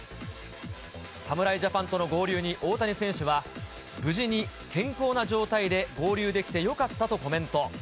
侍ジャパンとの合流に大谷選手は、無事に健康な状態で合流できてよかったとコメント。